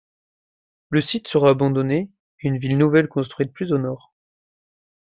Le site sera abandonné et une ville nouvelle construite plus au nord.